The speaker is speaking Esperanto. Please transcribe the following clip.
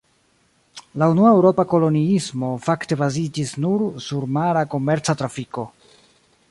La unua eŭropa koloniismo fakte baziĝis nur sur mara komerca trafiko.